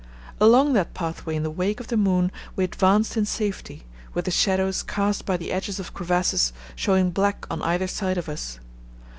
Along that pathway in the wake of the moon we advanced in safety, with the shadows cast by the edges of crevasses showing black on either side of us.